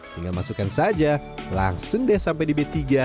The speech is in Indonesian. tinggal masukkan saja langsung deh sampai di b tiga